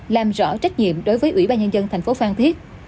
làm rõ trách nhiệm đối với ủy ban nhân dân thành phố phan thiết